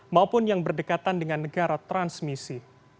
maupun yang berdekatan dengan negara transmisi